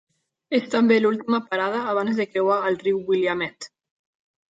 És també l'última parada abans de creuar el riu Willamette.